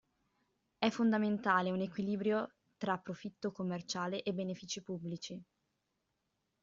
È fondamentale un equilibrio tra profitto commerciale e benefici pubblici.